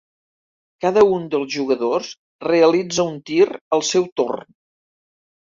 Cada un dels jugadors realitza un tir al seu torn.